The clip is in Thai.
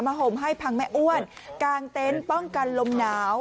ห่มให้พังแม่อ้วนกลางเต็นต์ป้องกันลมหนาว